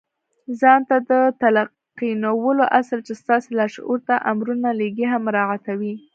ځان ته د تلقينولو اصل چې ستاسې لاشعور ته امرونه لېږي هم مراعتوئ.